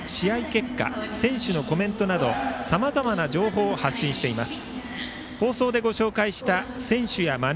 結果選手のコメントなどさまざまな情報を発信しています。